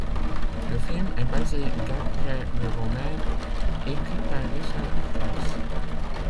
Le film est basé d'après le roman ' écrit par Richard Price.